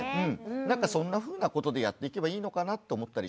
なんかそんなふうなことでやっていけばいいのかなって思ったりしました。